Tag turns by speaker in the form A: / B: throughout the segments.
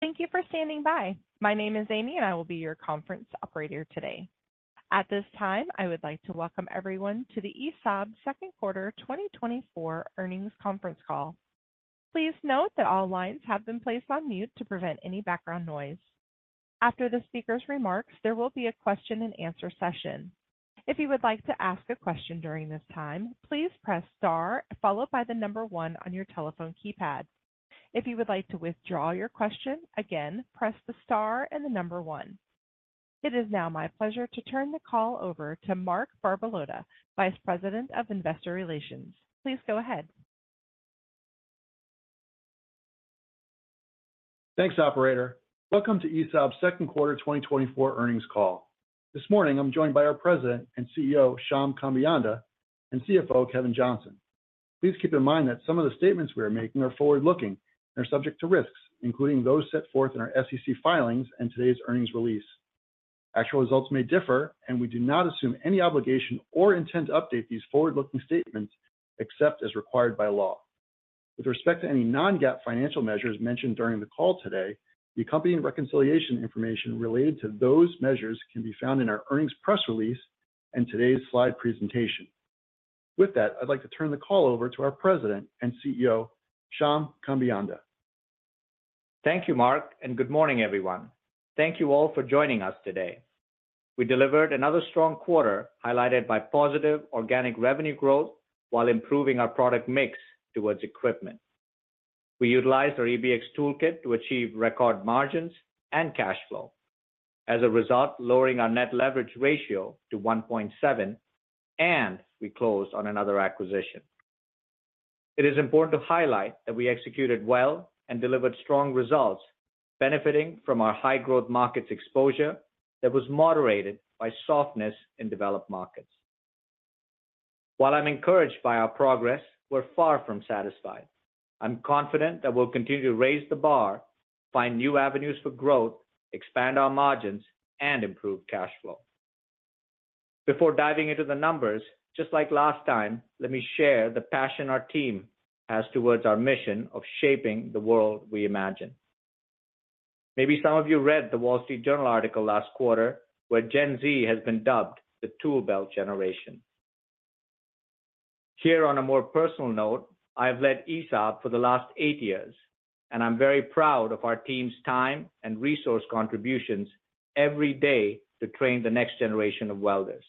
A: Thank you for standing by. My name is Amy, and I will be your conference operator today. At this time, I would like to welcome everyone to the ESAB Second Quarter 2024 Earnings Conference Call. Please note that all lines have been placed on mute to prevent any background noise. After the speaker's remarks, there will be a question and answer session. If you would like to ask a question during this time, please press star followed by the number one on your telephone keypad. If you would like to withdraw your question, again, press the star and the number one. It is now my pleasure to turn the call over to Mark Barbalato, Vice President of Investor Relations. Please go ahead.
B: Thanks, operator. Welcome to ESAB Second Quarter 2024 Earnings Call. This morning, I'm joined by our President and CEO, Shyam Kambeyanda, and CFO, Kevin Johnson. Please keep in mind that some of the statements we are making are forward-looking and are subject to risks, including those set forth in our SEC filings and today's earnings release. Actual results may differ, and we do not assume any obligation or intend to update these forward-looking statements except as required by law. With respect to any non-GAAP financial measures mentioned during the call today, the accompanying reconciliation information related to those measures can be found in our earnings press release and today's slide presentation. With that, I'd like to turn the call over to our President and CEO, Shyam Kambeyanda.
C: Thank you, Mark, and good morning, everyone. Thank you all for joining us today. We delivered another strong quarter, highlighted by positive organic revenue growth while improving our product mix towards equipment. We utilized our EBX toolkit to achieve record margins and cash flow, as a result, lowering our net leverage ratio to 1.7, and we closed on another acquisition. It is important to highlight that we executed well and delivered strong results, benefiting from our high-growth markets exposure that was moderated by softness in developed markets. While I'm encouraged by our progress, we're far from satisfied. I'm confident that we'll continue to raise the bar, find new avenues for growth, expand our margins, and improve cash flow. Before diving into the numbers, just like last time, let me share the passion our team has towards our mission of shaping the world we imagine. Maybe some of you read The Wall Street Journal article last quarter, where Gen Z has been dubbed the Tool Belt Generation. Here, on a more personal note, I have led ESAB for the last eight years, and I'm very proud of our team's time and resource contributions every day to train the next generation of welders.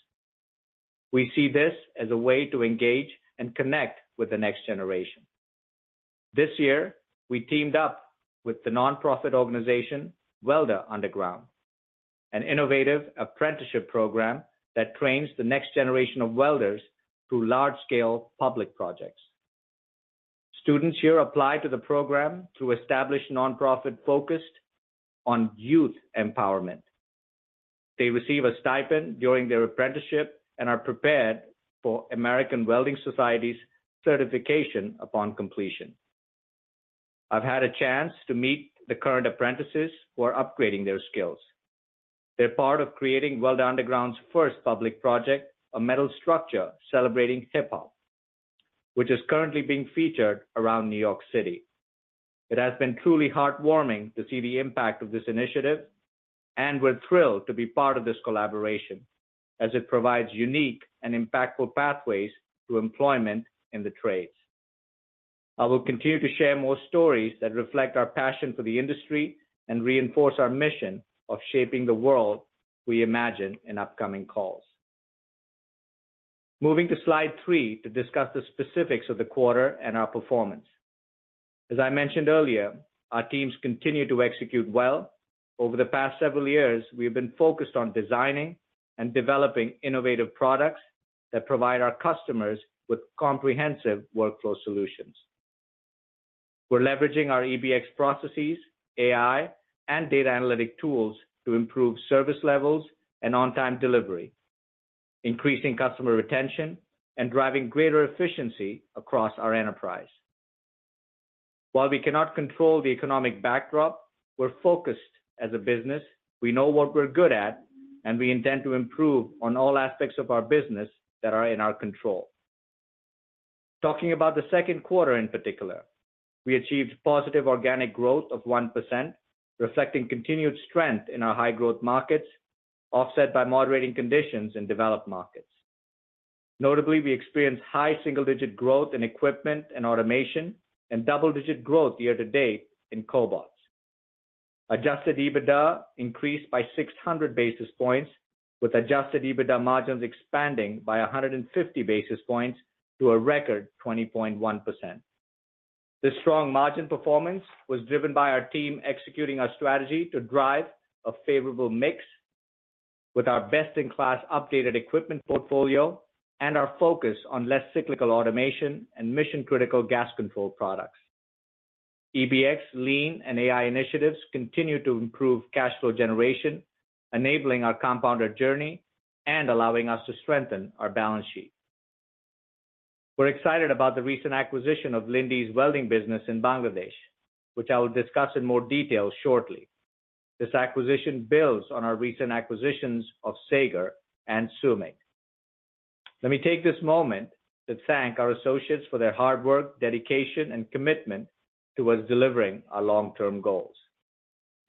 C: We see this as a way to engage and connect with the next generation. This year, we teamed up with the nonprofit organization, Welder Underground, an innovative apprenticeship program that trains the next generation of welders through large-scale public projects. Students here apply to the program through established nonprofit focused on youth empowerment. They receive a stipend during their apprenticeship and are prepared for American Welding Society's certification upon completion. I've had a chance to meet the current apprentices who are upgrading their skills. They're part of creating Welder Underground's first public project, a metal structure celebrating hip-hop, which is currently being featured around New York City. It has been truly heartwarming to see the impact of this initiative, and we're thrilled to be part of this collaboration as it provides unique and impactful pathways to employment in the trades. I will continue to share more stories that reflect our passion for the industry and reinforce our mission of shaping the world we imagine in upcoming calls. Moving to slide three to discuss the specifics of the quarter and our performance. As I mentioned earlier, our teams continue to execute well. Over the past several years, we've been focused on designing and developing innovative products that provide our customers with comprehensive workflow solutions. We're leveraging our EBX processes, AI, and data analytic tools to improve service levels and on-time delivery, increasing customer retention, and driving greater efficiency across our enterprise. While we cannot control the economic backdrop, we're focused as a business. We know what we're good at, and we intend to improve on all aspects of our business that are in our control. Talking about the second quarter, in particular, we achieved positive organic growth of 1%, reflecting continued strength in our high-growth markets, offset by moderating conditions in developed markets. Notably, we experienced high single-digit growth in equipment and automation and double-digit growth year to date in cobots. Adjusted EBITDA increased by 600 basis points, with adjusted EBITDA margins expanding by 150 basis points to a record 20.1%. This strong margin performance was driven by our team executing our strategy to drive a favorable mix with our best-in-class updated equipment portfolio and our focus on less cyclical automation and mission-critical gas control products. EBX, Lean, and AI initiatives continue to improve cash flow generation, enabling our compounded journey and allowing us to strengthen our balance sheet. We're excited about the recent acquisition of Linde's welding business in Bangladesh, which I will discuss in more detail shortly. This acquisition builds on our recent acquisitions of Sager and SUMIG. Let me take this moment to thank our associates for their hard work, dedication, and commitment towards delivering our long-term goals.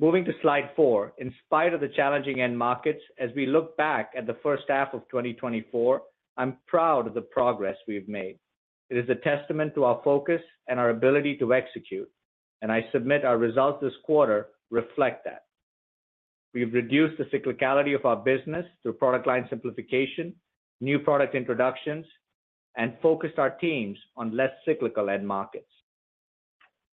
C: Moving to slide four, in spite of the challenging end markets, as we look back at the first half of 2024, I'm proud of the progress we've made. It is a testament to our focus and our ability to execute, and I submit our results this quarter reflect that. We've reduced the cyclicality of our business through product line simplification, new product introductions, and focused our teams on less cyclical end markets.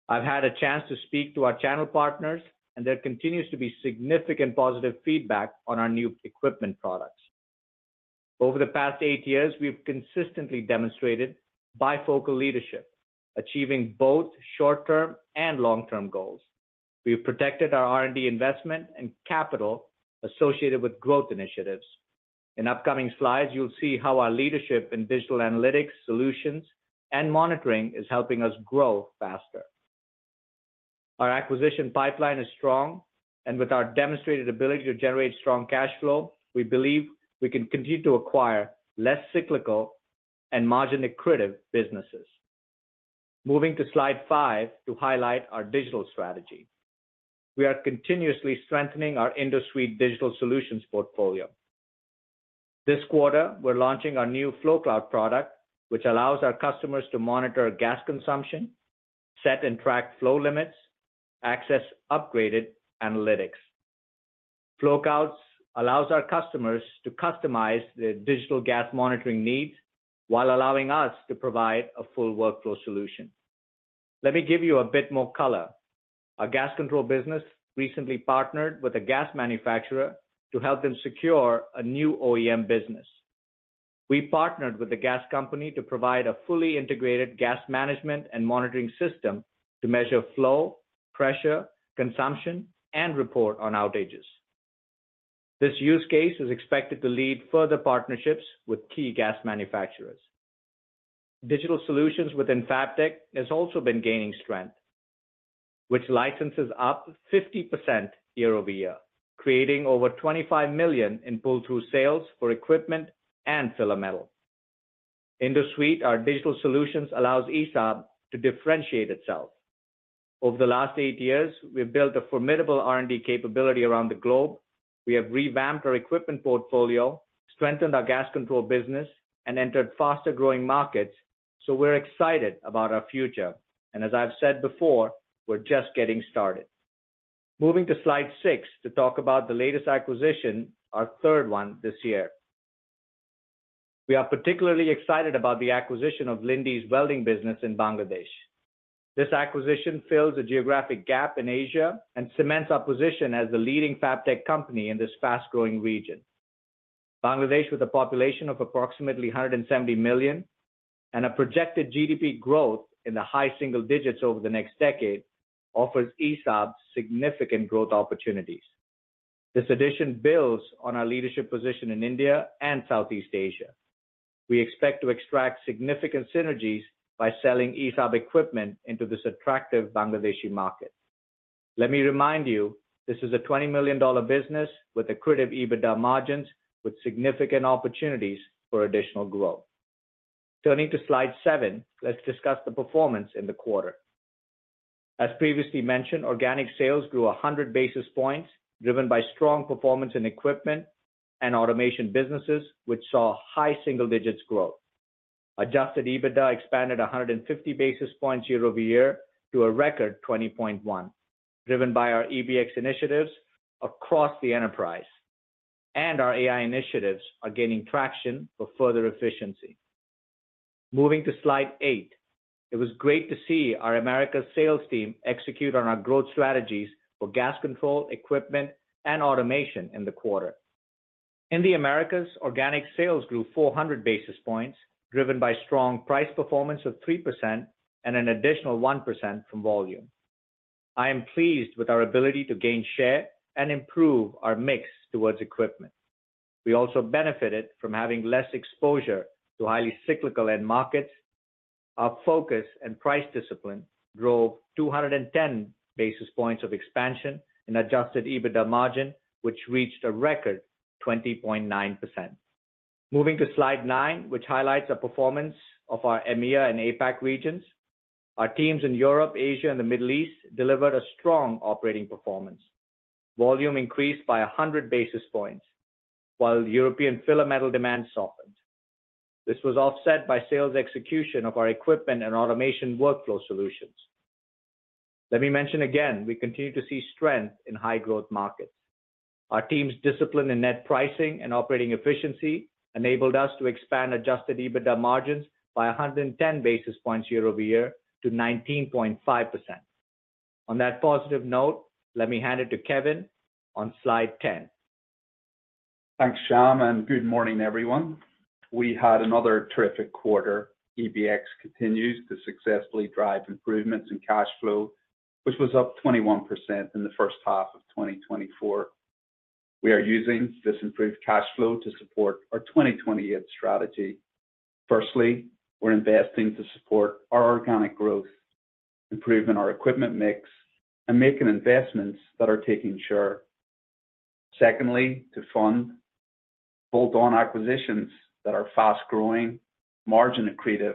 C: I've had a chance to speak to our channel partners, and there continues to be significant positive feedback on our new equipment products. Over the past eight years, we've consistently demonstrated bifocal leadership, achieving both short-term and long-term goals. We've protected our R&D investment and capital associated with growth initiatives. In upcoming slides, you'll see how our leadership in digital analytics, solutions, and monitoring is helping us grow faster. Our acquisition pipeline is strong, and with our demonstrated ability to generate strong cash flow, we believe we can continue to acquire less cyclical and margin-accretive businesses. Moving to slide five to highlight our digital strategy. We are continuously strengthening our industry digital solutions portfolio. This quarter, we're launching our new FloCloud product, which allows our customers to monitor gas consumption, set and track flow limits, access upgraded analytics. FloCloud allows our customers to customize their digital gas monitoring needs while allowing us to provide a full workflow solution. Let me give you a bit more color. Our gas control business recently partnered with a gas manufacturer to help them secure a new OEM business. We partnered with the gas company to provide a fully integrated gas management and monitoring system to measure flow, pressure, consumption, and report on outages. This use case is expected to lead further partnerships with key gas manufacturers. Digital solutions within Fabtech has also been gaining strength, which licenses up 50% year-over-year, creating over $25 million in pull-through sales for equipment and filler metal. InduSuite, our digital solutions allows ESAB to differentiate itself. Over the last eight years, we've built a formidable R&D capability around the globe. We have revamped our equipment portfolio, strengthened our gas control business, and entered faster-growing markets, so we're excited about our future. As I've said before, we're just getting started. Moving to slide six to talk about the latest acquisition, our third one this year. We are particularly excited about the acquisition of Linde's welding business in Bangladesh. This acquisition fills a geographic gap in Asia and cements our position as the leading Fabtech company in this fast-growing region. Bangladesh, with a population of approximately 170 million and a projected GDP growth in the high single digits over the next decade, offers ESAB significant growth opportunities. This addition builds on our leadership position in India and Southeast Asia. We expect to extract significant synergies by selling ESAB equipment into this attractive Bangladeshi market. Let me remind you, this is a $20 million business with accretive EBITDA margins, with significant opportunities for additional growth. Turning to slide seven let's discuss the performance in the quarter. As previously mentioned, organic sales grew 100 basis points, driven by strong performance in equipment and automation businesses, which saw high single-digit growth. Adjusted EBITDA expanded 150 basis points year-over-year to a record 20.1%, driven by our EBX initiatives across the enterprise, and our AI initiatives are gaining traction for further efficiency. Moving to slide eight, it was great to see our Americas sales team execute on our growth strategies for gas control, equipment, and automation in the quarter. In the Americas, organic sales grew 400 basis points, driven by strong price performance of 3% and an additional 1% from volume. I am pleased with our ability to gain share and improve our mix towards equipment. We also benefited from having less exposure to highly cyclical end markets. Our focus and price discipline drove 210 basis points of expansion in adjusted EBITDA margin, which reached a record 20.9%. Moving to slide nine, which highlights the performance of our EMEA and APAC regions. Our teams in Europe, Asia, and the Middle East delivered a strong operating performance. Volume increased by 100 basis points, while European filler metal demand softened. This was offset by sales execution of our equipment and automation workflow solutions. Let me mention again, we continue to see strength in high growth markets. Our team's discipline in net pricing and operating efficiency enabled us to expand adjusted EBITDA margins by 110 basis points year-over-year to 19.5%. On that positive note, let me hand it to Kevin on slide 10.
D: Thanks, Shyam, and good morning, everyone. We had another terrific quarter. EBX continues to successfully drive improvements in cash flow, which was up 21% in the first half of 2024. We are using this improved cash flow to support our 2028 strategy. Firstly, we're investing to support our organic growth, improving our equipment mix, and making investments that are taking share. Secondly, to fund bolt-on acquisitions that are fast-growing, margin accretive,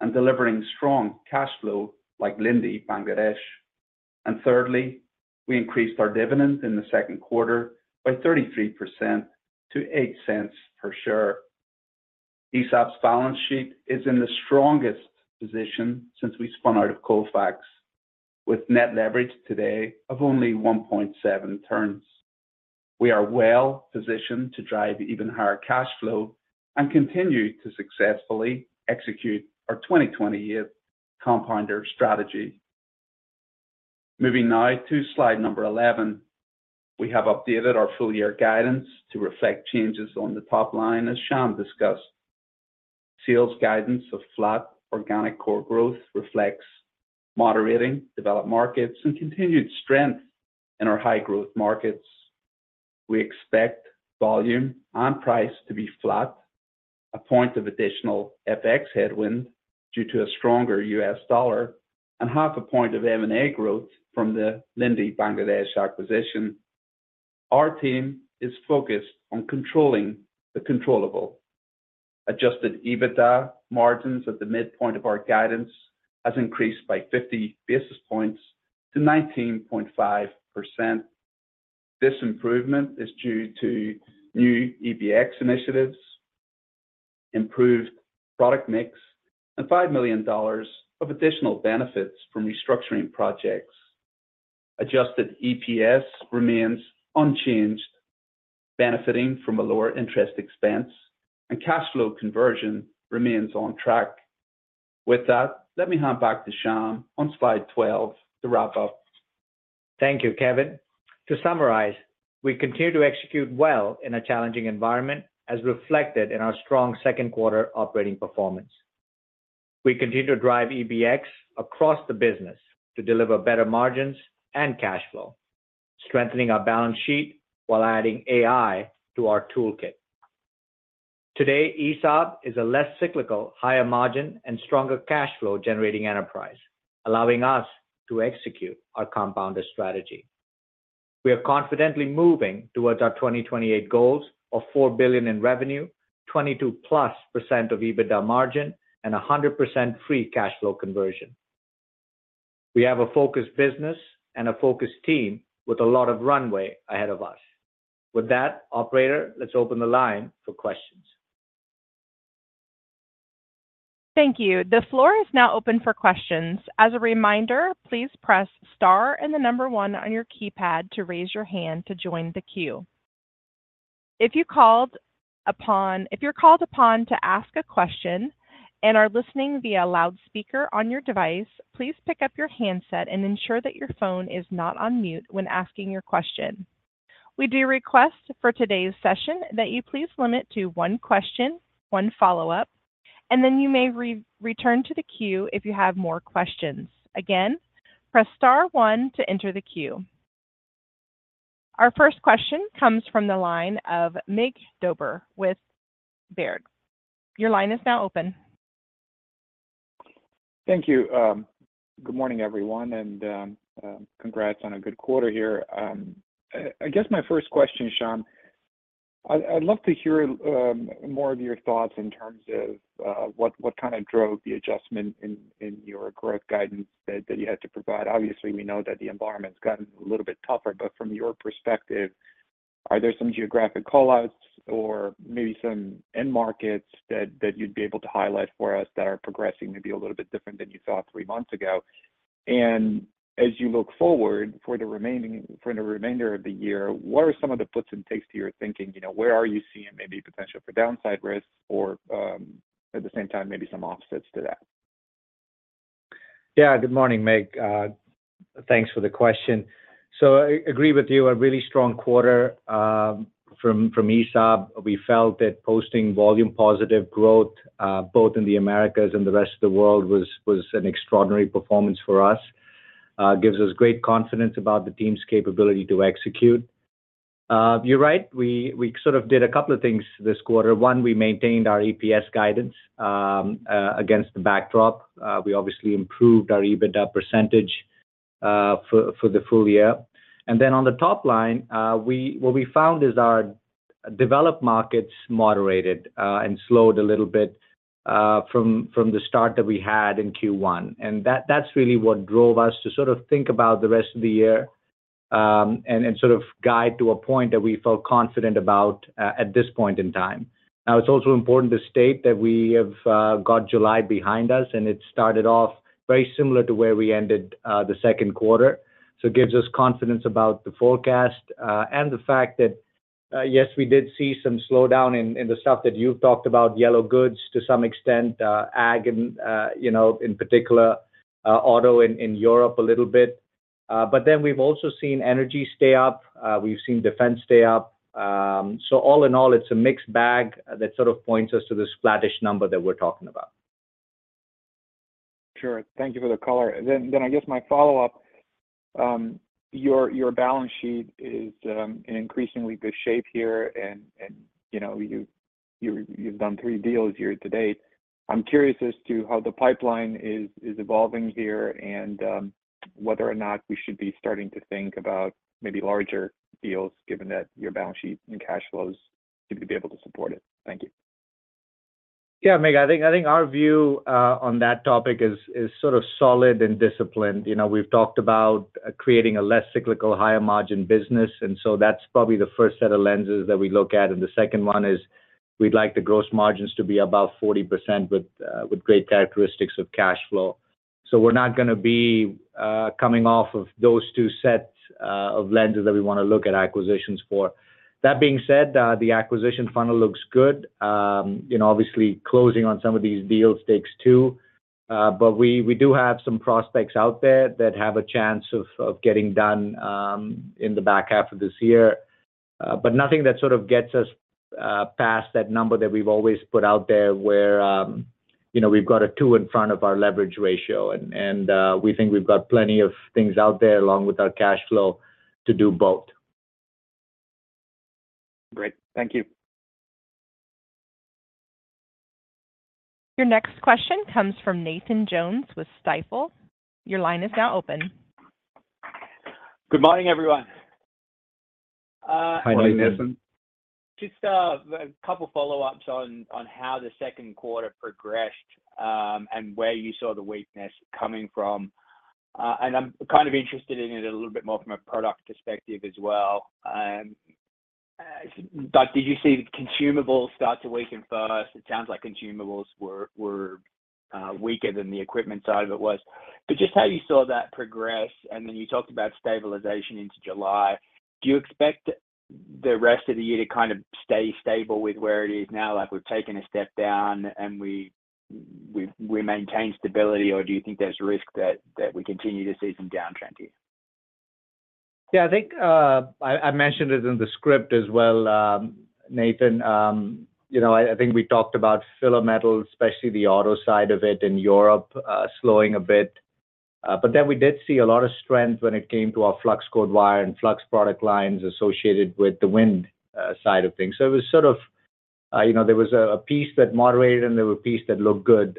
D: and delivering strong cash flow like Linde Bangladesh. And thirdly, we increased our dividend in the second quarter by 33% to $0.08 per share. ESAB's balance sheet is in the strongest position since we spun out of Colfax, with net leverage today of only 1.7 times. We are well positioned to drive even higher cash flow and continue to successfully execute our 2028 compounder strategy. Moving now to slide number 11, we have updated our full-year guidance to reflect changes on the top line, as Shyam discussed. Sales guidance of flat organic core growth reflects moderating developed markets and continued strength in our high-growth markets. We expect volume and price to be flat, 1 point of additional FX headwind due to a stronger U.S. dollar, and 0.5 point of M&A growth from the Linde Bangladesh acquisition. Our team is focused on controlling the controllable. Adjusted EBITDA margins at the midpoint of our guidance has increased by 50 basis points to 19.5%. This improvement is due to new EBX initiatives, improved product mix, and $5 million of additional benefits from restructuring projects. Adjusted EPS remains unchanged, benefiting from a lower interest expense, and cash flow conversion remains on track. With that, let me hand back to Shyam on slide 12 to wrap up.
C: Thank you, Kevin. To summarize, we continue to execute well in a challenging environment, as reflected in our strong second quarter operating performance. We continue to drive EBX across the business to deliver better margins and cash flow, strengthening our balance sheet while adding AI to our toolkit. Today, ESAB is a less cyclical, higher margin, and stronger cash flow-generating enterprise, allowing us to execute our compounder strategy. We are confidently moving towards our 2028 goals of $4 billion in revenue, 22%+ EBITDA margin, and 100% free cash flow conversion. We have a focused business and a focused team with a lot of runway ahead of us. With that, operator, let's open the line for questions.
A: Thank you. The floor is now open for questions. As a reminder, please press star and the number one on your keypad to raise your hand to join the queue. If you're called upon to ask a question and are listening via loudspeaker on your device, please pick up your handset and ensure that your phone is not on mute when asking your question. We do request for today's session that you please limit to one question, one follow-up, and then you may re-return to the queue if you have more questions. Again, press star one to enter the queue. Our first question comes from the line of Mig Dobre with Baird. Your line is now open.
E: Thank you. Good morning, everyone, and congrats on a good quarter here. I guess my first question, Shyam, I'd love to hear more of your thoughts in terms of what kind of drove the adjustment in your growth guidance that you had to provide. Obviously, we know that the environment's gotten a little bit tougher, but from your perspective, are there some geographic call-outs or maybe some end markets that you'd be able to highlight for us that are progressing maybe a little bit different than you thought three months ago? And as you look forward for the remainder of the year, what are some of the puts and takes to your thinking? You know, where are you seeing maybe potential for downside risks or, at the same time, maybe some offsets to that?
C: Yeah. Good morning, Mig. Thanks for the question. So I agree with you, a really strong quarter from ESAB. We felt that posting volume positive growth both in the Americas and the rest of the world was an extraordinary performance for us. Gives us great confidence about the team's capability to execute. You're right, we sort of did a couple of things this quarter. One, we maintained our EPS guidance against the backdrop. We obviously improved our EBITDA percentage for the full year. And then on the top line, what we found is our developed markets moderated and slowed a little bit from the start that we had in Q1. And that's really what drove us to sort of think about the rest of the year, and sort of guide to a point that we felt confident about at this point in time. Now, it's also important to state that we have got July behind us, and it started off very similar to where we ended the second quarter. So it gives us confidence about the forecast, and the fact that yes, we did see some slowdown in the stuff that you've talked about, yellow goods to some extent, [AG] and you know, in particular, auto in Europe a little bit. But then we've also seen energy stay up, we've seen defense stay up. So all in all, it's a mixed bag that sort of points us to this flattish number that we're talking about.
E: Sure. Thank you for the color. Then I guess my follow-up, your balance sheet is in increasingly good shape here, and you know, you've done three deals year to date. I'm curious as to how the pipeline is evolving here, and whether or not we should be starting to think about maybe larger deals, given that your balance sheet and cash flows should be able to support it. Thank you.
C: Yeah, Mig, I think, I think our view on that topic is, is sort of solid and disciplined. You know, we've talked about creating a less cyclical, higher margin business, and so that's probably the first set of lenses that we look at. And the second one is, we'd like the gross margins to be about 40% with, with great characteristics of cash flow. So we're not gonna be, coming off of those two sets of lenses that we wanna look at acquisitions for. That being said, the acquisition funnel looks good. You know, obviously, closing on some of these deals takes two. But we, we do have some prospects out there that have a chance of, of getting done, in the back half of this year. But nothing that sort of gets us past that number that we've always put out there, where, you know, we've got a 2 in front of our leverage ratio. And we think we've got plenty of things out there, along with our cash flow to do both.
E: Great. Thank you.
A: Your next question comes from Nathan Jones with Stifel. Your line is now open.
F: Good morning, everyone. Hi, Nathan. Just a couple follow-ups on how the second quarter progressed, and where you saw the weakness coming from. And I'm kind of interested in it a little bit more from a product perspective as well. But did you see the consumables start to weaken first? It sounds like consumables were weaker than the equipment side of it was. But just how you saw that progress, and then you talked about stabilization into July. Do you expect the rest of the year to kind of stay stable with where it is now? Like, we've taken a step down, and we maintain stability, or do you think there's risk that we continue to see some downtrend here?
C: Yeah, I think I mentioned it in the script as well, Nathan. You know, I think we talked about filler metal, especially the auto side of it in Europe, slowing a bit. But then we did see a lot of strength when it came to our flux-cored wire and flux product lines associated with the wind side of things. So it was sort of, you know, there was a piece that moderated, and there were pieces that looked good.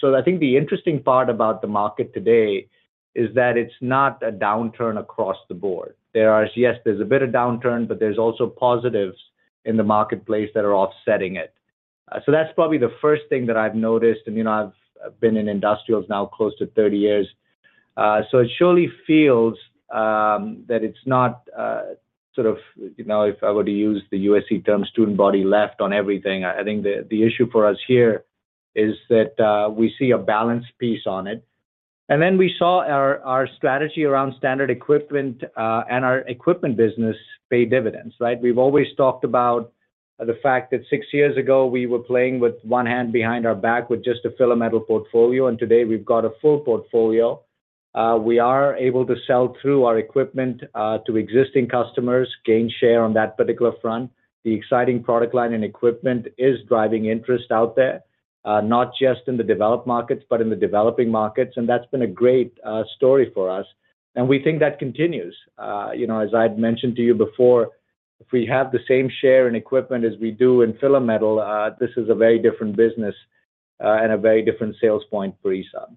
C: So I think the interesting part about the market today is that it's not a downturn across the board. There are. Yes, there's a bit of downturn, but there's also positives in the marketplace that are offsetting it. So that's probably the first thing that I've noticed, and you know, I've been in industrials now close to 30 years. So it surely feels that it's not sort of, you know, if I were to use the USC term, student body left on everything. I think the issue for us here is that we see a balanced piece on it. And then we saw our strategy around standard equipment and our equipment business pay dividends, right? We've always talked about the fact that six years ago we were playing with one hand behind our back with just a filler metal portfolio, and today, we've got a full portfolio. We are able to sell through our equipment to existing customers, gain share on that particular front. The exciting product line and equipment is driving interest out there, not just in the developed markets, but in the developing markets, and that's been a great story for us, and we think that continues. You know, as I'd mentioned to you before, if we have the same share in equipment as we do in filler metal, this is a very different business, and a very different sales point for ESAB.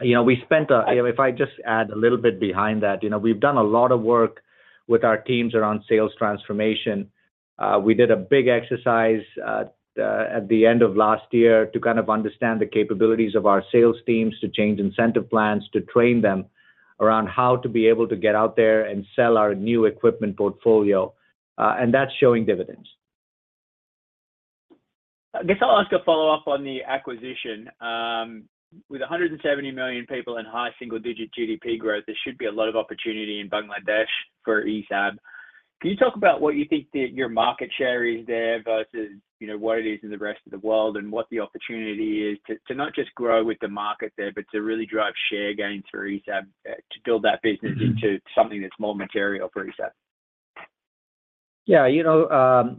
C: You know, if I just add a little bit behind that. You know, we've done a lot of work with our teams around sales transformation. We did a big exercise at the end of last year to kind of understand the capabilities of our sales teams, to change incentive plans, to train them around how to be able to get out there and sell our new equipment portfolio, and that's showing dividends.
F: I guess I'll ask a follow-up on the acquisition. With 170 million people in high single-digit GDP growth, there should be a lot of opportunity in Bangladesh for ESAB. Can you talk about what you think that your market share is there versus, you know, what it is in the rest of the world, and what the opportunity is to not just grow with the market there, but to really drive share gains for ESAB, to build that business into something that's more material for ESAB?
C: Yeah, you know,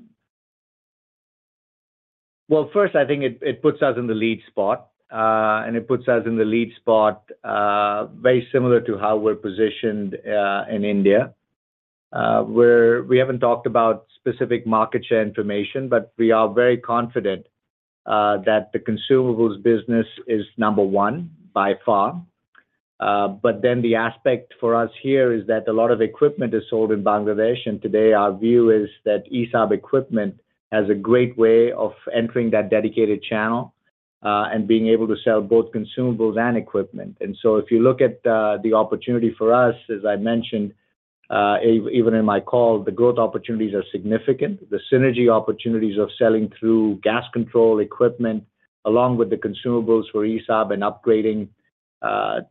C: Well, first, I think it puts us in the lead spot, and it puts us in the lead spot, very similar to how we're positioned in India. We haven't talked about specific market share information, but we are very confident that the consumables business is number one, by far. But then the aspect for us here is that a lot of equipment is sold in Bangladesh, and today our view is that ESAB equipment has a great way of entering that dedicated channel, and being able to sell both consumables and equipment. And so if you look at the opportunity for us, as I mentioned, even in my call, the growth opportunities are significant. The synergy opportunities of selling through gas control equipment, along with the consumables for ESAB and upgrading,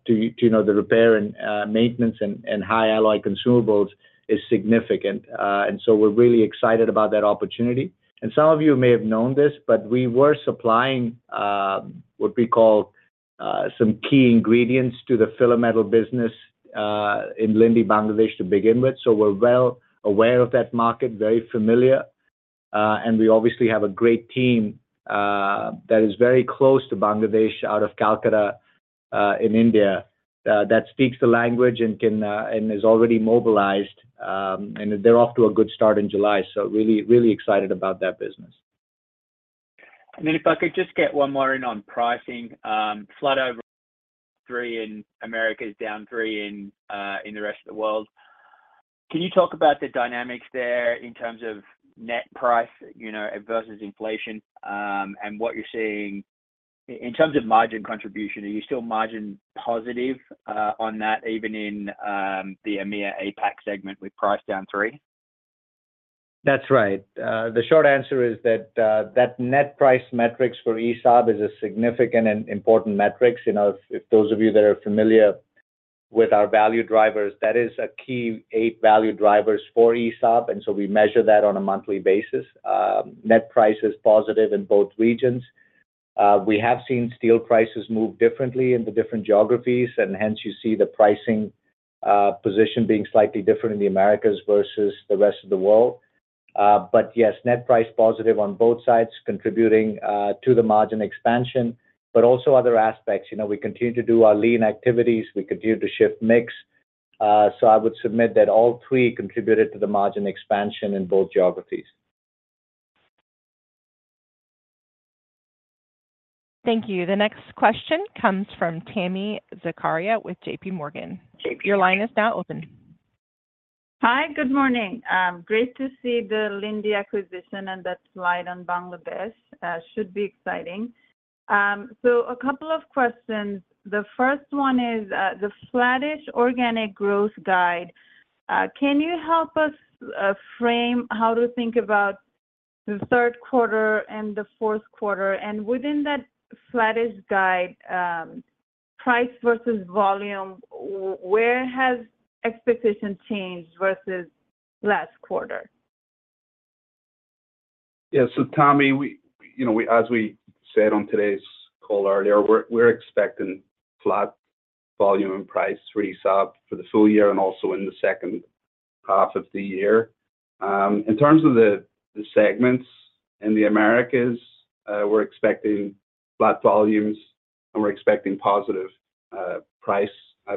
C: to you know, the repair and maintenance and high alloy consumables is significant. And so we're really excited about that opportunity. Some of you may have known this, but we were supplying what we call some key ingredients to the filler metal business in Linde Bangladesh, to begin with. We're well aware of that market, very familiar, and we obviously have a great team that is very close to Bangladesh, out of Calcutta in India that speaks the language and can and is already mobilized. They're off to a good start in July, so really, really excited about that business.
F: Then if I could just get one more in on pricing. Flat 3% in Americas, down 3% in the rest of the world. Can you talk about the dynamics there in terms of net price, you know, versus inflation, and what you're seeing in terms of margin contribution? Are you still margin positive on that, even in the EMEA, APAC segment with price down 3%?
C: That's right. The short answer is that net price metrics for ESAB is a significant and important metrics. You know, if those of you that are familiar with our value drivers, that is a key eight value drivers for ESAB, and so we measure that on a monthly basis. Net price is positive in both regions. We have seen steel prices move differently in the different geographies, and hence you see the pricing position being slightly different in the Americas versus the rest of the world. But yes, net price positive on both sides, contributing to the margin expansion, but also other aspects. You know, we continue to do our lean activities. We continue to shift mix. So I would submit that all three contributed to the margin expansion in both geographies.
A: Thank you. The next question comes from Tami Zakaria with JPMorgan. Your line is now open.
G: Hi, good morning. Great to see the Linde acquisition and that slide on Bangladesh. Should be exciting. So a couple of questions. The first one is, the flattish organic growth guide. Can you help us frame how to think about the third quarter and the fourth quarter? And within that flattish guide, price versus volume, where has expectation changed versus last quarter?
D: Yeah. So, Tami, you know, as we said on today's call earlier, we're expecting flat volume and price for ESAB for the full year and also in the second half of the year. In terms of the segments in the Americas, we're expecting flat volumes, and we're expecting positive price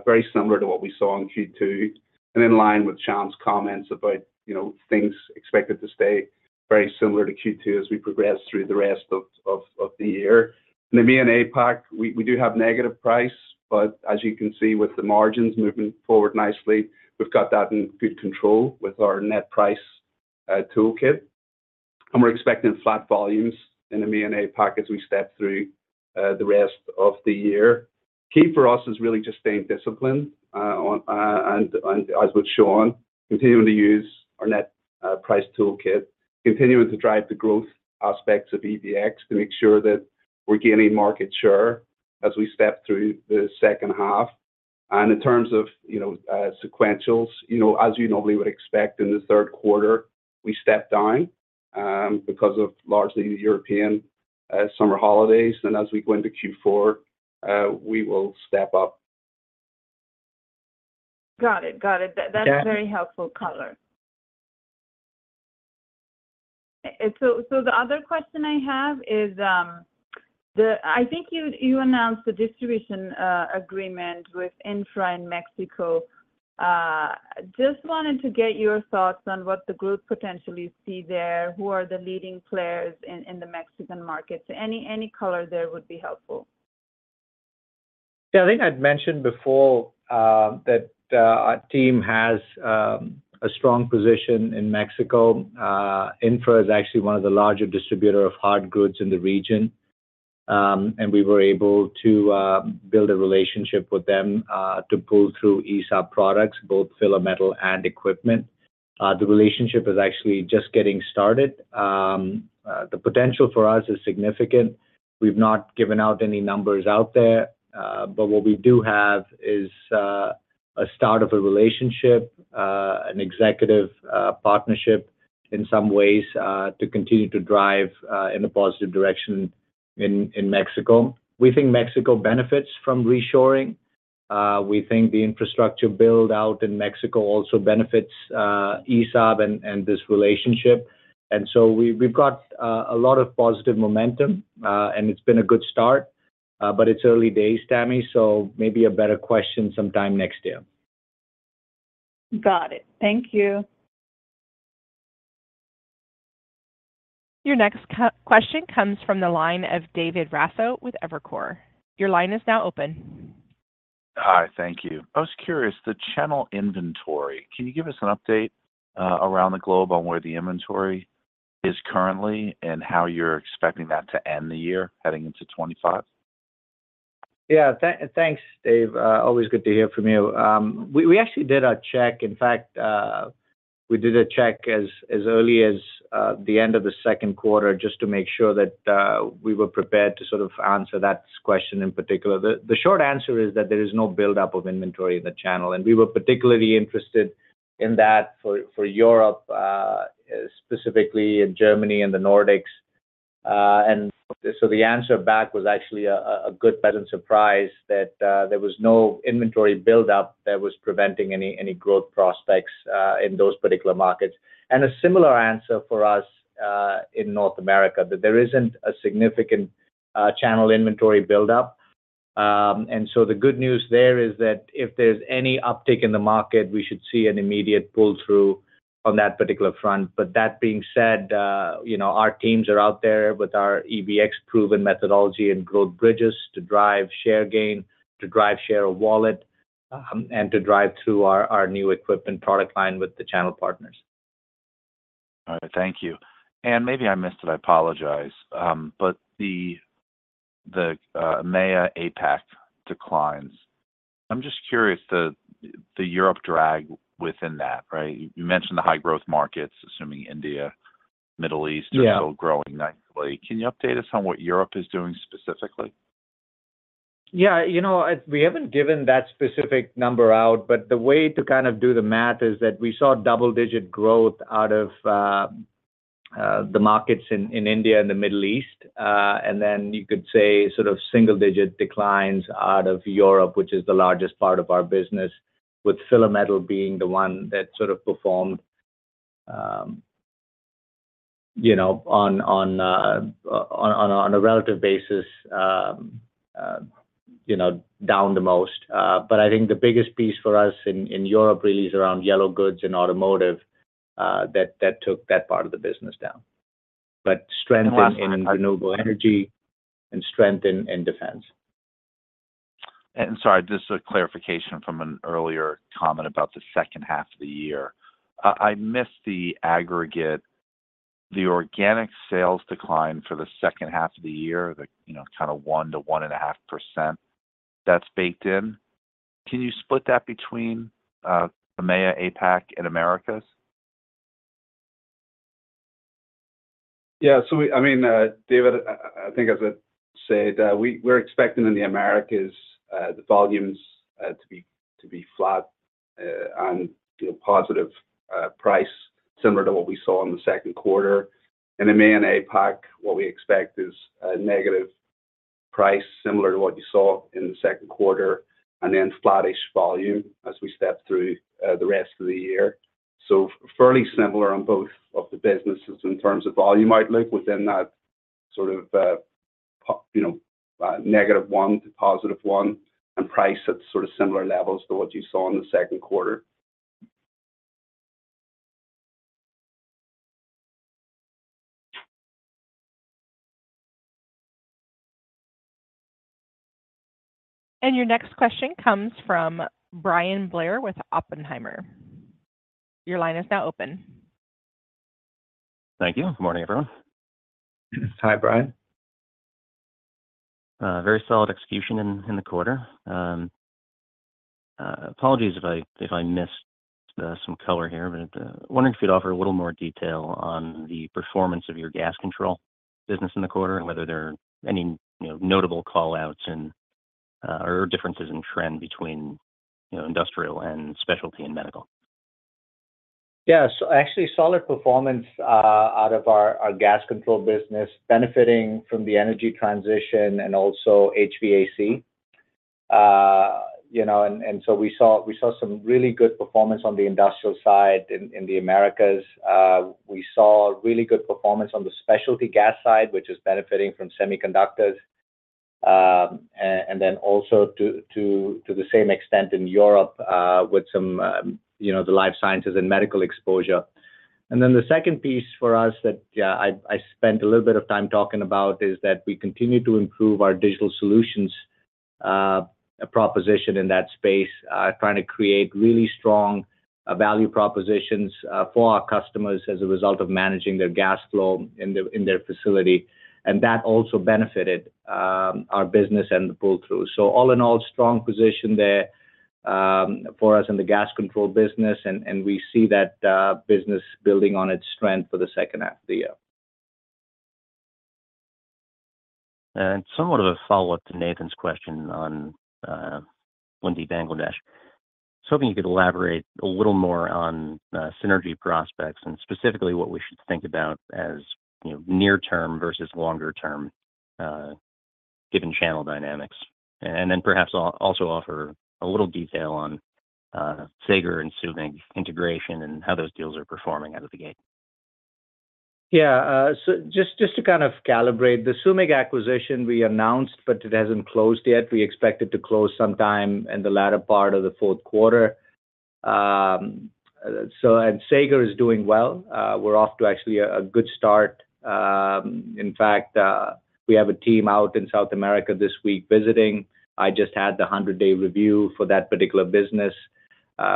D: very similar to what we saw in Q2, and in line with Shyam's comments about, you know, things expected to stay very similar to Q2 as we progress through the rest of the year. In EMEA and APAC, we do have negative price, but as you can see, with the margins moving forward nicely, we've got that in good control with our net price toolkit. And we're expecting flat volumes in EMEA and APAC as we step through the rest of the year. Key for us is really just staying disciplined, on, and as with Shyam, continuing to use our net price toolkit, continuing to drive the growth aspects of EBX to make sure that we're gaining market share as we step through the second half. And in terms of, you know, sequentials, you know, as you normally would expect in the third quarter, we step down, because of largely the European summer holidays. And as we go into Q4, we will step up.
G: Got it. Got it.
D: Yeah.
G: That's very helpful color. And so, so the other question I have is, I think you announced the distribution agreement with INFRA in Mexico. Just wanted to get your thoughts on what the group potentially see there. Who are the leading players in the Mexican market? So any color there would be helpful.
C: Yeah, I think I'd mentioned before that our team has a strong position in Mexico. INFRA is actually one of the larger distributor of hard goods in the region. And we were able to build a relationship with them to pull through ESAB products, both filler metal and equipment. The relationship is actually just getting started. The potential for us is significant. We've not given out any numbers out there, but what we do have is a start of a relationship, an executive partnership in some ways to continue to drive in a positive direction in Mexico. We think Mexico benefits from reshoring. We think the infrastructure build-out in Mexico also benefits ESAB and this relationship. And so we've got a lot of positive momentum, and it's been a good start, but it's early days, Tami, so maybe a better question sometime next year.
G: Got it. Thank you.
A: Your next question comes from the line of David Raso with Evercore. Your line is now open.
H: Hi, thank you. I was curious, the channel inventory, can you give us an update, around the globe on where the inventory is currently and how you're expecting that to end the year heading into 2025?
C: Yeah. Thanks, Dave. Always good to hear from you. We actually did a check. In fact, we did a check as early as the end of the second quarter just to make sure that we were prepared to sort of answer that question in particular. The short answer is that there is no buildup of inventory in the channel, and we were particularly interested in that for Europe, specifically in Germany and the Nordics. And so the answer back was actually a good pleasant surprise that there was no inventory buildup that was preventing any growth prospects in those particular markets. And a similar answer for us in North America, that there isn't a significant channel inventory buildup. The good news there is that if there's any uptick in the market, we should see an immediate pull-through on that particular front. That being said, you know, our teams are out there with our EBX proven methodology and growth bridges to drive share gain, to drive share of wallet, and to drive through our, our new equipment product line with the channel partners.
H: All right, thank you. And maybe I missed it, I apologize, but the EMEA, APAC declines. I'm just curious, the Europe drag within that, right? You mentioned the high growth markets, assuming India, Middle East-
D: Yeah
H: are still growing nicely. Can you update us on what Europe is doing specifically?
C: Yeah. You know, we haven't given that specific number out, but the way to kind of do the math is that we saw double-digit growth out of the markets in India and the Middle East. And then you could say sort of single-digit declines out of Europe, which is the largest part of our business, with filler metal being the one that sort of performed, you know, on a relative basis, you know, down the most. But I think the biggest piece for us in Europe really is around yellow goods and automotive, that took that part of the business down. But strength in renewable energy and strength in defense.
H: Sorry, just a clarification from an earlier comment about the second half of the year. I missed the aggregate, the organic sales decline for the second half of the year, you know, kind of 1%-1.5% that's baked in. Can you split that between EMEA, APAC and Americas?
D: Yeah, so we—I mean, David, I think as I said, we, we're expecting in the Americas, the volumes to be flat, and, you know, positive price, similar to what we saw in the second quarter. In EMEA and APAC, what we expect is a negative price, similar to what you saw in the second quarter, and then flattish volume as we step through the rest of the year. So fairly similar on both of the businesses in terms of volume outlook within that sort of, you know, negative 1 to positive 1, and price at sort of similar levels to what you saw in the second quarter.
A: Your next question comes from Bryan Blair with Oppenheimer. Your line is now open.
I: Thank you. Good morning, everyone.
C: Hi, Brian.
I: Very solid execution in the quarter. Apologies if I missed some color here, but wondering if you'd offer a little more detail on the performance of your gas control business in the quarter, and whether there are any, you know, notable call-outs and or differences in trend between, you know, industrial and specialty and medical.
C: Yeah. So actually, solid performance out of our gas control business, benefiting from the energy transition and also HVAC. You know, and so we saw some really good performance on the industrial side in the Americas. We saw really good performance on the specialty gas side, which is benefiting from semiconductors, and then also to the same extent in Europe, with some, you know, the life sciences and medical exposure. And then the second piece for us that I spent a little bit of time talking about is that we continue to improve our digital solutions proposition in that space, trying to create really strong value propositions for our customers as a result of managing their gas flow in their facility. And that also benefited our business and the pull-through. So all in all, strong position there for us in the gas control business, and we see that business building on its strength for the second half of the year.
I: And somewhat of a follow-up to Nathan's question on Linde Bangladesh. Was hoping you could elaborate a little more on synergy prospects, and specifically, what we should think about as, you know, near term versus longer term, given channel dynamics. And then perhaps also offer a little detail on Sager and SUMIG integration and how those deals are performing out of the gate.
C: Yeah, so just to kind of calibrate, the SUMIG acquisition we announced, but it hasn't closed yet. We expect it to close sometime in the latter part of the fourth quarter. So... And Sager is doing well. We're off to actually a good start. In fact, we have a team out in South America this week visiting. I just had the 100-day review for that particular business.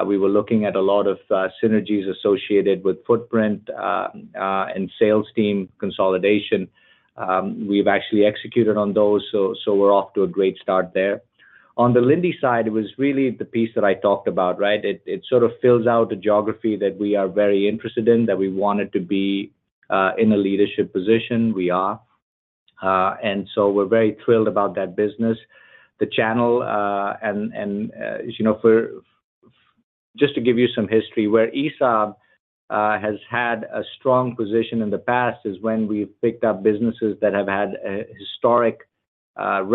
C: We were looking at a lot of synergies associated with footprint and sales team consolidation. We've actually executed on those, so we're off to a great start there. On the Linde side, it was really the piece that I talked about, right? It sort of fills out the geography that we are very interested in, that we wanted to be in a leadership position we are. And so we're very thrilled about that business. The channel and, as you know, for— Just to give you some history, where ESAB has had a strong position in the past is when we've picked up businesses that have had a historic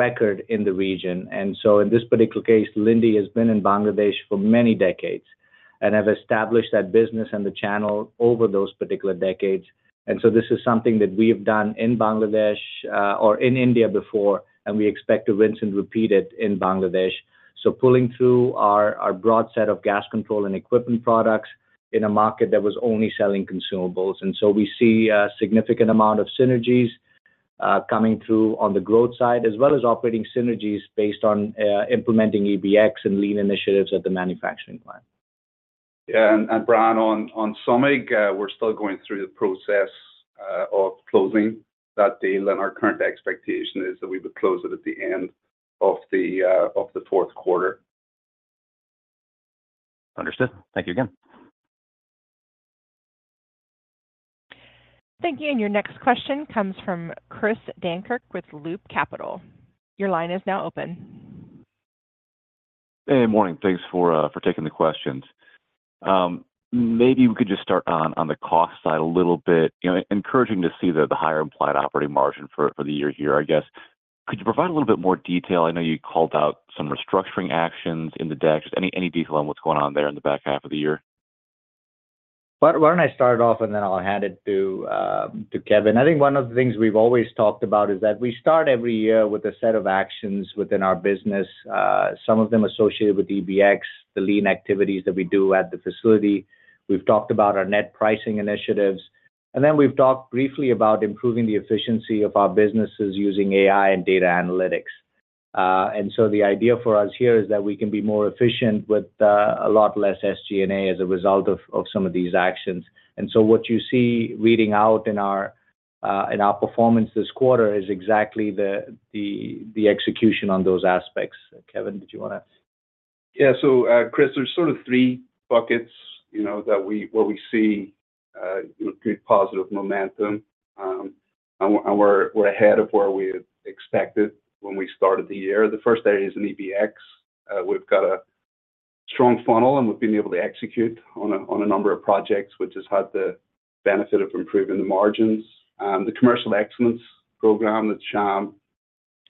C: record in the region. And so in this particular case, Linde has been in Bangladesh for many decades... and have established that business and the channel over those particular decades. And so this is something that we have done in Bangladesh or in India before, and we expect to rinse and repeat it in Bangladesh. So pulling through our broad set of gas control and equipment products in a market that was only selling consumables. We see a significant amount of synergies coming through on the growth side, as well as operating synergies based on implementing EBX and Lean initiatives at the manufacturing plant.
D: Yeah, and Brian, on SUMIG, we're still going through the process of closing that deal, and our current expectation is that we would close it at the end of the fourth quarter.
I: Understood. Thank you again.
A: Thank you, and your next question comes from Chris Dankert with Loop Capital. Your line is now open.
J: Hey, morning. Thanks for taking the questions. Maybe we could just start on the cost side a little bit. You know, encouraging to see the higher implied operating margin for the year here, I guess. Could you provide a little bit more detail? I know you called out some restructuring actions in the deck. Just any detail on what's going on there in the back half of the year?
C: Why, why don't I start off, and then I'll hand it to, to Kevin? I think one of the things we've always talked about is that we start every year with a set of actions within our business, some of them associated with EBX, the lean activities that we do at the facility. We've talked about our net pricing initiatives, and then we've talked briefly about improving the efficiency of our businesses using AI and data analytics. And so the idea for us here is that we can be more efficient with a lot less SG&A as a result of some of these actions. And so what you see reading out in our, in our performance this quarter is exactly the execution on those aspects. Kevin, did you wanna-
D: Yeah, so, Chris, there's sort of three buckets, you know, that we where we see good positive momentum, and we're ahead of where we had expected when we started the year. The first area is in EBX. We've got a strong funnel, and we've been able to execute on a number of projects, which has had the benefit of improving the margins. The commercial excellence program that Shyam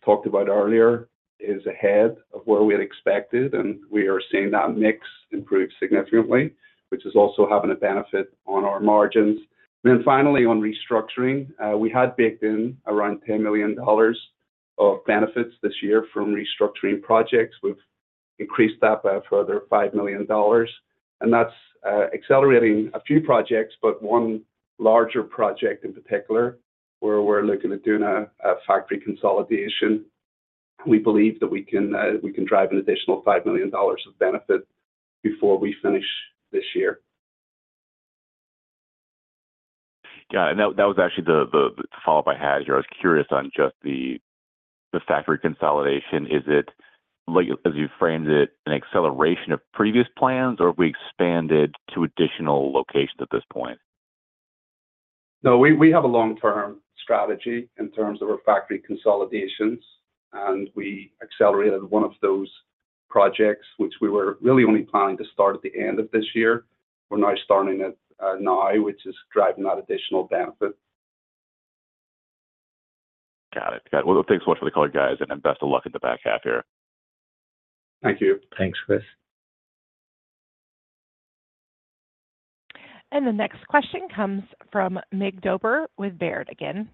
D: talked about earlier is ahead of where we had expected, and we are seeing that mix improve significantly, which is also having a benefit on our margins. Then finally, on restructuring, we had baked in around $10 million of benefits this year from restructuring projects. We've increased that by a further $5 million, and that's, accelerating a few projects, but one larger project in particular, where we're looking at doing a factory consolidation. We believe that we can, we can drive an additional $5 million of benefit before we finish this year.
J: Yeah, and that was actually the follow-up I had here. I was curious on just the factory consolidation. Is it, like, as you framed it, an acceleration of previous plans, or have we expanded to additional locations at this point?
D: No, we have a long-term strategy in terms of our factory consolidations, and we accelerated one of those projects, which we were really only planning to start at the end of this year. We're now starting it, now, which is driving that additional benefit.
J: Got it. Got it. Well, thanks so much for the call, guys, and best of luck in the back half here.
D: Thank you.
C: Thanks, Chris.
A: The next question comes from Mig Dobre with Baird again.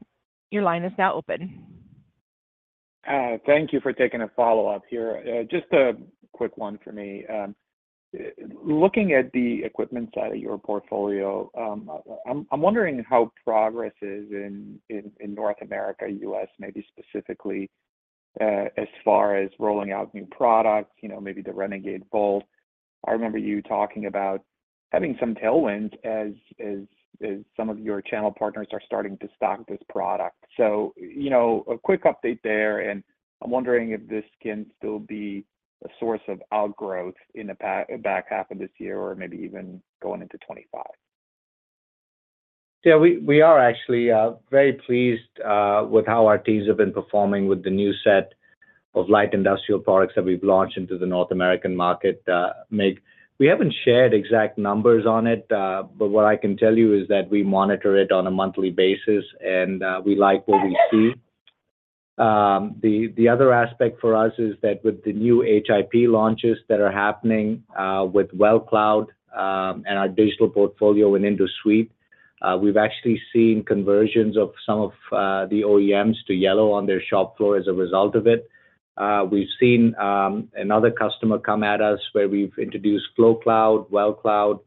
A: Your line is now open.
E: Thank you for taking a follow-up here. Just a quick one for me. Looking at the equipment side of your portfolio, I'm wondering how progress is in North America, U.S., maybe specifically, as far as rolling out new products, you know, maybe the Renegade VOLT. I remember you talking about having some tailwind as some of your channel partners are starting to stock this product. So, you know, a quick update there, and I'm wondering if this can still be a source of outgrowth in the back half of this year or maybe even going into 2025.
C: Yeah, we are actually very pleased with how our teams have been performing with the new set of light industrial products that we've launched into the North American market, Mig. We haven't shared exact numbers on it, but what I can tell you is that we monitor it on a monthly basis, and we like what we see. The other aspect for us is that with the new HIP launches that are happening with WeldCloud and our digital portfolio in InduSuite, we've actually seen conversions of some of the OEMs to yellow on their shop floor as a result of it. We've seen another customer come at us where we've introduced FloCloud, WeldCloud,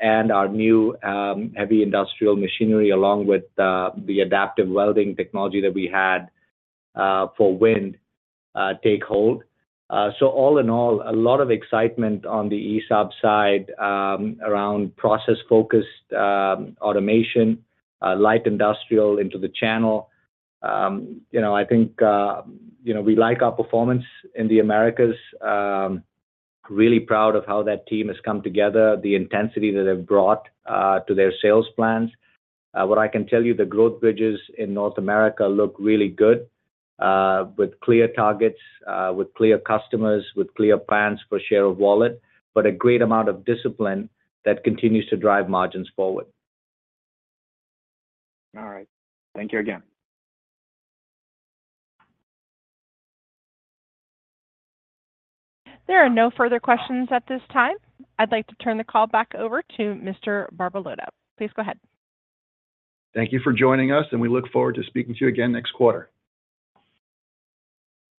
C: and our new heavy industrial machinery, along with the adaptive welding technology that we had for wind take hold. So all in all, a lot of excitement on the ESAB side around process-focused automation light industrial into the channel. You know, I think you know, we like our performance in the Americas. Really proud of how that team has come together, the intensity that they've brought to their sales plans. What I can tell you, the growth bridges in North America look really good with clear targets with clear customers, with clear plans for share of wallet, but a great amount of discipline that continues to drive margins forward.
E: All right. Thank you again.
A: There are no further questions at this time. I'd like to turn the call back over to Mr. Barbalato. Please go ahead.
B: Thank you for joining us, and we look forward to speaking to you again next quarter.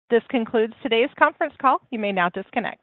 A: This concludes today's conference call. You may now disconnect.